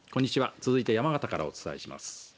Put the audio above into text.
続いて山形からお伝えします。